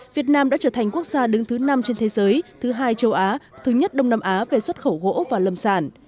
việt nam đã trở thành quốc gia đứng thứ năm trên thế giới thứ hai châu á thứ nhất đông nam á về xuất khẩu gỗ và lâm sản